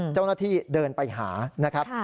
เจ้านักฐีเดินไปหานะครับ